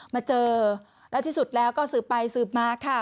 มาเจอแล้วที่สุดแล้วก็สืบไปสืบมาค่ะ